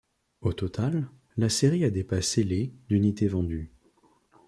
Au total, la série a dépassé les d'unités vendues.